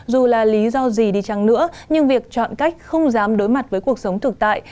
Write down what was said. dù là lý do gì đi chăng nữa nhưng việc chọn cách không dám đối mặt với cuộc sống thực tại